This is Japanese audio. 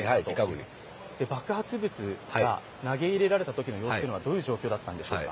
爆発物が投げ入れられたときの様子はどういう状況だったんでしょうか？